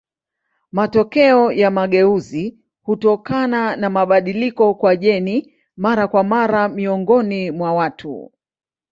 Matokeo ya mageuzi hutokana na mabadiliko kwa jeni mara kwa mara miongoni mwa watu.